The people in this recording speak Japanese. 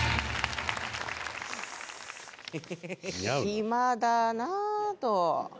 暇だなっと。